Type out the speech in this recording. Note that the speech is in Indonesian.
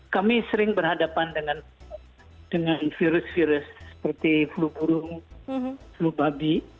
kami sering berhadapan dengan virus virus seperti flu burung flu babi